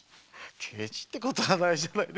ケチってことはないじゃないですか。